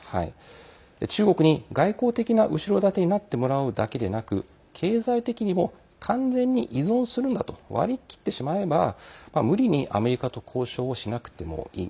中国に外交的な後ろ盾になってもらうだけでなく経済的にも完全に依存するんだと割り切ってしまえば無理にアメリカと交渉をしなくてもいい。